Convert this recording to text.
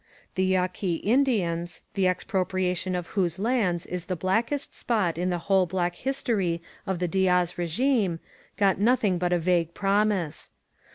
The Yaqui Indians, the expropriation of whose lands is the blackest spot in the whole black history of the Diaz regime, got nothing but a vague promise.